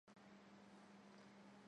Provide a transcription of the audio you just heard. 张懋修人。